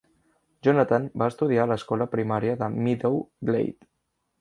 Jonathan va estudiar a l'escola primària de Meadow Glade.